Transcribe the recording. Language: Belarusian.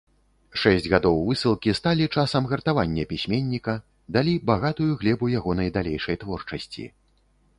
Шэсць гадоў высылкі сталі часам гартавання пісьменніка, далі багатую глебу ягонай далейшай творчасці.